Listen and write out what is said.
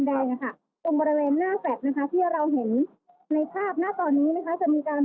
ไฟฟลิชาคะบางงานแล้วคุณก็จะตัดใครนะครับจริงสินะครับ